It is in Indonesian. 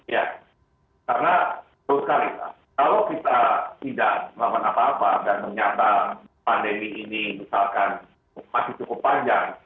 ya karena kalau kita tidak melakukan apa apa dan ternyata pandemi ini misalkan masih cukup panjang